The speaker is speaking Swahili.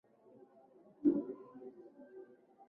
mabadiliko ya kawaida ya alostati Kinachosukuma upungufu